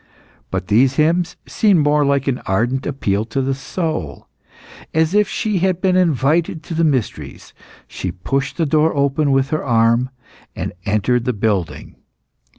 But these hymns seemed more like an ardent appeal to the soul. As if she had been invited to the mysteries, she pushed the door open with her arm, and entered the building.